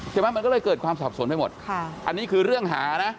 ใช่ไหมมันก็เลยเกิดความสับสนไปหมดค่ะอันนี้คือเรื่องหานะ